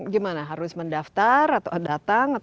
gimana harus mendaftar atau datang